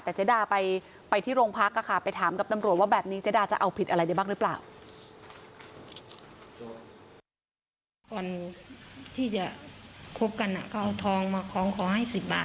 แต่เจ๊ดาไปที่โรงพักไปถามกับตำรวจว่าแบบนี้เจ๊ดาจะเอาผิดอะไรได้บ้างหรือเปล่า